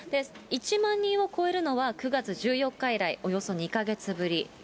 １万人を超えるのは９月１４日以来、およそ２か月ぶり。